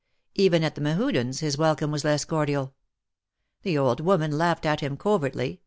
Even at the Mehudens', his welcome was less cordial. The old woman laughed at him covertly.